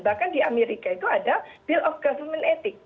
bahkan di amerika itu ada bill of government ethics